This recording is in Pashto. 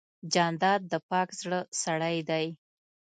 جانداد د پاک زړه سړی دی.